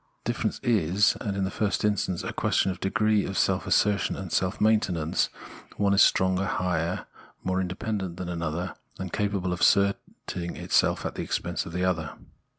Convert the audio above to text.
The difference is, in the first instance, a question of degree of self assertion and self maintenance : one is stronger, higher, more independent than another, and capable of asserting this at the expense of the other.